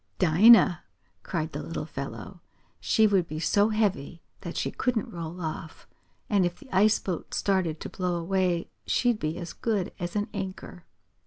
"Dinah!" cried the little fellow. "She would be so heavy that she couldn't roll off, and if the ice boat started to blow away she'd be as good as an anchor."